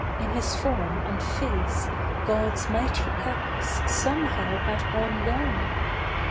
In his form and face God's mighty purpose somehow had gone wrong.